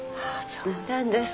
そうなんですか。